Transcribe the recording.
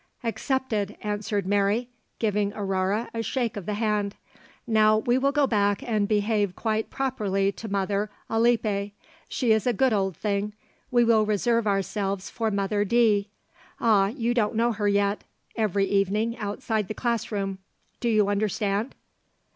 'Accepted,' answered Mary, giving Aurore a shake of the hand. 'Now we will go back and behave quite properly to Mother Alippe. She is a good old thing. We will reserve ourselves for Mother D. Ah, you don't know her yet! Every evening outside the class room. Do you understand?'